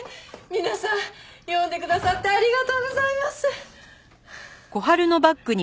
皆さん呼んでくださってありがとうございます。